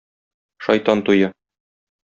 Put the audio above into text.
Шайтан туе.